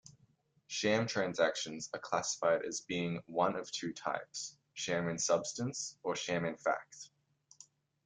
Sham transactions are classified as being one of two types, sham-in-substance, or sham-in-fact.